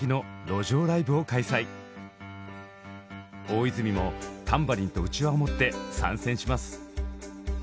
大泉もタンバリンとうちわを持って参戦します！